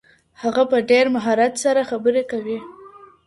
هغه په ډېر مهارت سره خبري کوي.